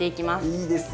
いいですね。